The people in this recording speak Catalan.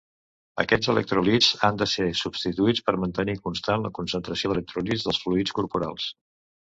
Aquests electròlits han de ser substituïts per mantenir constant la concentració d'electròlits dels fluids corporals.